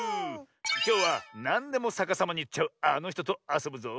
きょうはなんでもさかさまにいっちゃうあのひととあそぶぞ。